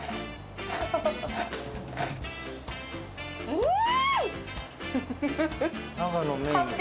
うん！